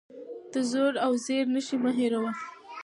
د زور او زېر نښې مه هېروه.